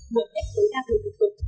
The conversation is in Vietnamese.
mở kết tối đa thử tục